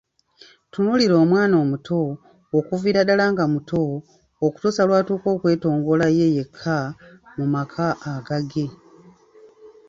Tunuulira omwana omuto, okuviira ddala nga muto, okutuusa lwatuuka okwetongola ye yekka mu maka agage.